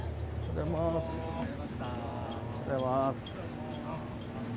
おはようございます。